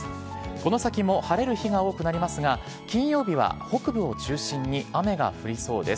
この先も晴れる日が多くなりますが、金曜日は北部を中心に雨が降りそうです。